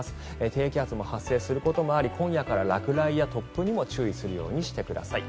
低気圧が発生することもあり今夜から落雷や突風にも注意するようにしてください。